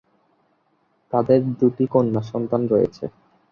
তাদের দুটি কন্যা সন্তান রয়েছে।